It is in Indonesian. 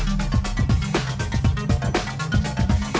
yeah young nicky